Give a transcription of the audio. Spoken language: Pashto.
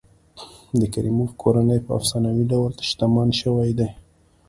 د کریموف کورنۍ په افسانوي ډول شتمن شوي دي.